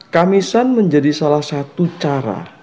kamisan menjadi salah satu cara